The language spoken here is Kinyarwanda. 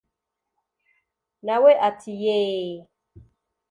nawe ati yeeeeh